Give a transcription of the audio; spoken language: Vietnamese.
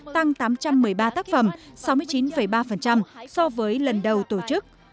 tăng tám trăm một mươi ba tác phẩm sáu mươi chín ba so với lần đầu tổ chức